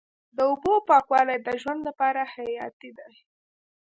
د اوبو پاکوالی د ژوند لپاره حیاتي دی.